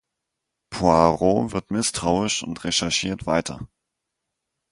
Poirot wird misstrauisch und recherchiert weiter.